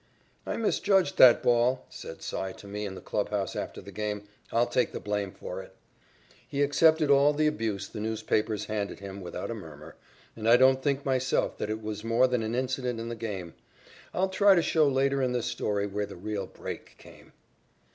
"I misjudged that ball," said "Cy" to me in the clubhouse after the game. "I'll take the blame for it." He accepted all the abuse the newspapers handed him without a murmur and I don't think myself that it was more than an incident in the game. I'll try to show later in this story where the real "break" came.